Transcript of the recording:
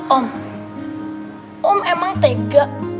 om om emang tega